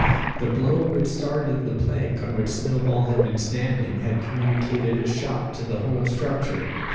The blow which started the plank on which Snowball had been standing had communicated a shock to the whole structure.